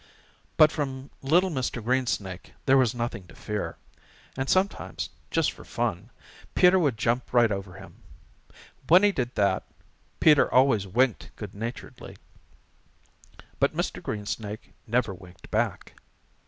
But from little Mr. Greensnake there was nothing to fear, and sometimes, just for fun, Peter would jump right over him. When he did that, Peter always winked good naturedly. But Mr. Greensnake never winked back.